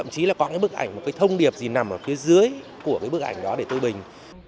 chỉ là có một bức ảnh một thông điệp gì nằm ở phía dưới của bức ảnh đó để tôi bình